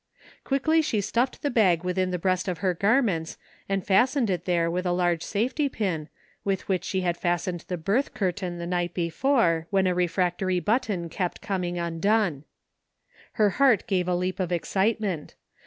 Quickly she stuflfed the bag within the breast of her garments and fastened it there with a large safety pin, with which she had fastened the berth curtain the night before, when a refractory button kept coming undone. Her heart gave a leap of excitement.